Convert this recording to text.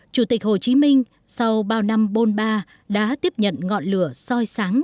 chủ tịch hồ chí minh sau bao năm bôn ba đã tiếp nhận ngọn lửa soi sáng